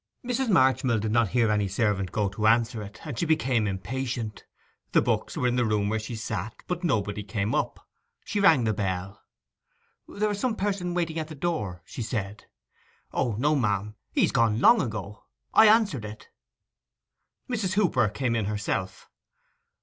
Mrs. Marchmill did not hear any servant go to answer it, and she became impatient. The books were in the room where she sat; but nobody came up. She rang the bell. 'There is some person waiting at the door,' she said. 'O no, ma'am! He's gone long ago. I answered it.' Mrs. Hooper came in herself.